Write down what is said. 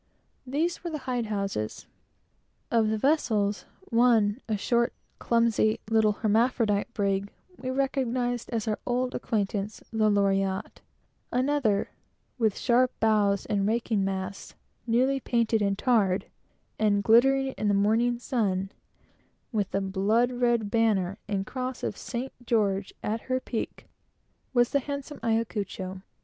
These were the hide houses. Of the vessels: one, a short, clumsy, little hermaphrodite brig, we recognized as our old acquaintance, the Loriotte; another, with sharp bows and raking masts, newly painted and tarred, and glittering in the morning sun, with the blood red banner and cross of St. George at her peak, was the handsome Ayacucho.